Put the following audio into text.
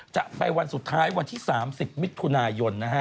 จะไปวันสุดท้ายวันที่๓๐มิถุนายนนะฮะ